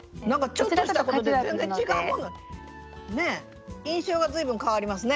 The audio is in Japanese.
ちょっとしたことで全然違うもんですね印象が随分変わりますね。